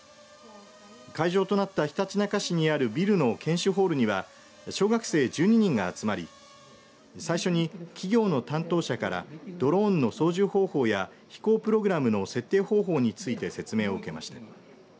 会場となったひたちなか市にあるビルの研修ホールには小学生１２人が集まり最初に企業の担当者からドローンの操縦方法や飛行プログラムの設定方法について説明を受けました。